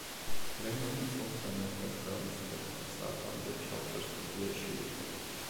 ლენონი ცოლთან ერთად ღამის თერთმეტ საათამდე ჩამწერ სტუდიაში იყო.